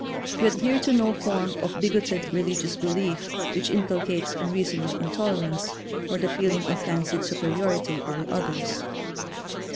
We adhere to no form of bigoted religious belief which incul cates unreasoning intolerance or the feel ing of fancied superiority over others.